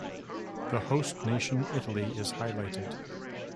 The host nation, Italy, is highlighted.